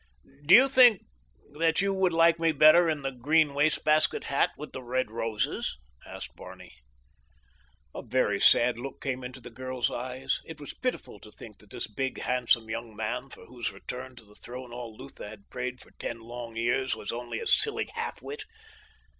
"Do you think that you would like me better in the green wastebasket hat with the red roses?" asked Barney. A very sad look came into the girl's eyes. It was pitiful to think that this big, handsome young man, for whose return to the throne all Lutha had prayed for ten long years, was only a silly half wit.